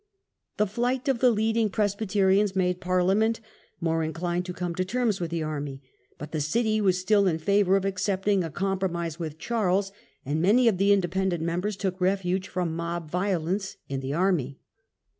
The flight of the leading Presbyterians made Parhament more inclined to come to terms with the army, but the city was still in favour of accepting a compromise with Charles, and many of the Independent members took refuge from mob violence in the army.